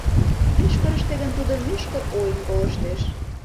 Мӱшкырыштӧ гын, тудо мӱшкыр ойым колыштеш...